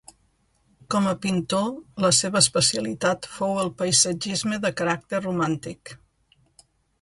Com a pintor, la seva especialitat fou el paisatgisme de caràcter romàntic.